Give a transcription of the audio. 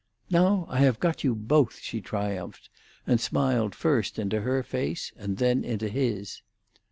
"Now I have got you both," she triumphed, and smiled first into her face, and then into his.